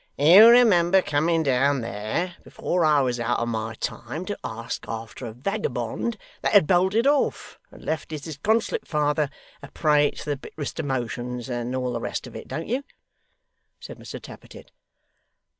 'You remember coming down there, before I was out of my time, to ask after a vagabond that had bolted off, and left his disconsolate father a prey to the bitterest emotions, and all the rest of it don't you?' said Mr Tappertit.